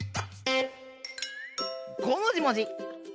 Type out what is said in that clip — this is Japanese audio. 「ごもじもじ」。